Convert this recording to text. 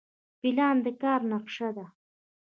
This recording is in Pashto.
پلان د کار نقشه ده